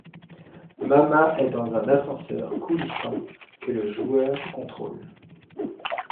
Mama est dans un ascenseur coulissant, que le joueur contrôle.